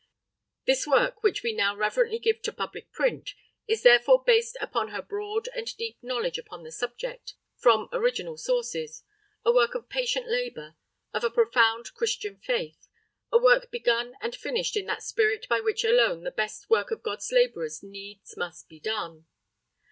This work, which we now reverently give to public print, is therefore based upon her broad and deep knowledge upon the subject—from original sources; a work of patient labor; of a profound Christian faith; a work begun and finished in that spirit by which alone the best work of God's laborers needs must be done.